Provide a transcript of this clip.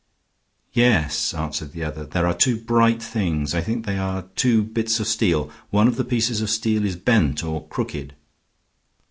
"Yes," answered the other; "there are two bright things. I think they are two bits of steel. One of the pieces of steel is bent or crooked."